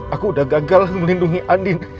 aku udah gagal melindungi andin